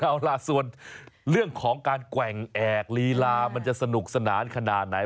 เอาล่ะส่วนเรื่องของการแกว่งแอกลีลามันจะสนุกสนานขนาดไหน